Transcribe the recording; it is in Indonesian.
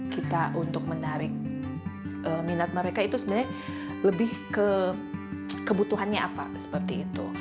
kita untuk menarik minat mereka itu sebenarnya lebih ke kebutuhannya apa seperti itu